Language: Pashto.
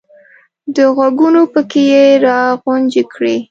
د غوږونو پکې یې را غونجې کړې !